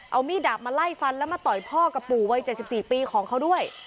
เอามีดดาบมาไล่ฟันแล้วมาต่อยพ่อกับปู่วัย๗๔ปีของเขาด้วย